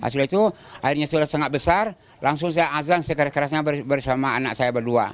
sudah itu airnya sudah sangat besar langsung saya azan sekerasnya bersama anak saya berdua